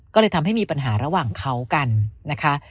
ก็เลยทำให้มีปัญหาระหว่างเขากันนะคะ